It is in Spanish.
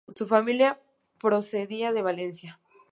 Su familia procedía de Valencia.